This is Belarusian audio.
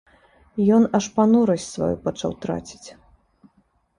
Ён аж панурасць сваю пачаў траціць.